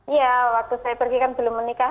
iya waktu saya pergi kan belum menikah